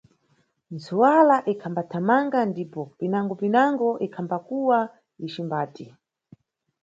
Ntswala ikhathamanga ndipo, pinango-pinango ikhambakuwa icimbati.